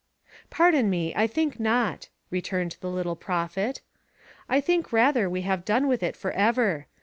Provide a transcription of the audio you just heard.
'" "Pardon me; I think not," returned the little prophet. "I think rather we have done with it for ever.